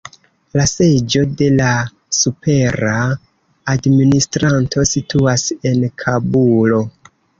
La seĝo de la supera administranto situas en Kabulo.